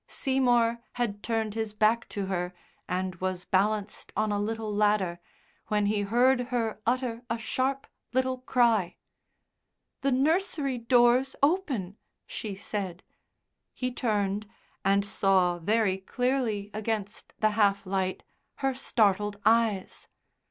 Seymour had turned his back to her and was balanced on a little ladder, when he heard her utter a sharp little cry. "The nursery door's open," she said. He turned, and saw very clearly, against the half light, her startled eyes.